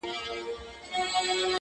د مغلو پير ملا مې دې کافر کړي